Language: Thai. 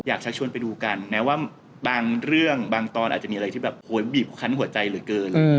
อยากจะชวนไปดูกันแม้ว่าบางเรื่องบางตอนอาจจะมีอะไรที่แบบโหยบีบคันหัวใจเหลือเกิน